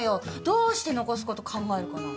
どうして残す事考えるかな。